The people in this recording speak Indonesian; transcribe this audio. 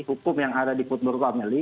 hukum yang ada di football family